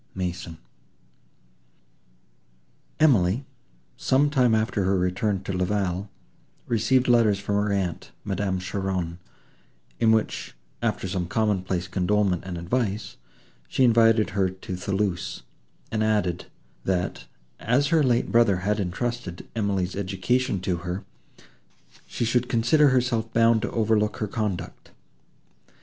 MASON Emily, some time after her return to La Vallée, received letters from her aunt, Madame Cheron, in which, after some common place condolement and advice, she invited her to Thoulouse, and added, that, as her late brother had entrusted Emily's education to her, she should consider herself bound to overlook her conduct.